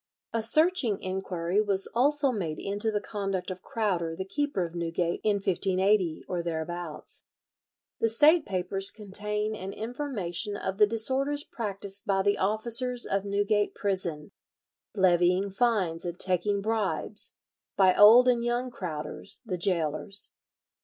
A searching inquiry was also made into the conduct of Crowder, the keeper of Newgate in 1580, or thereabouts. The State Papers contain an information of the disorders practised by the officers of Newgate prison, levying fines and taking bribes, by old and young Crowders, the gaolers.